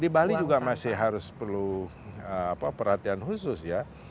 di bali juga masih harus perlu perhatian khusus ya